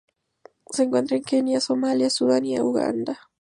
Se encuentra en Kenia Somalia, Sudán y Uganda.